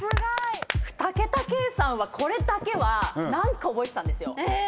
２桁計算はこれだけは何か覚えてたんですよ。